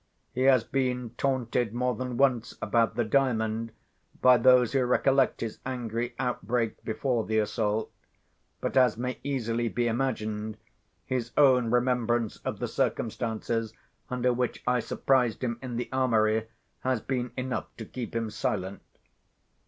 He has been taunted more than once about the Diamond, by those who recollect his angry outbreak before the assault; but, as may easily be imagined, his own remembrance of the circumstances under which I surprised him in the armoury has been enough to keep him silent.